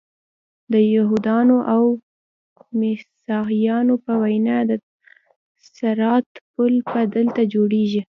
د یهودانو او مسیحیانو په وینا د صراط پل به دلته جوړیږي.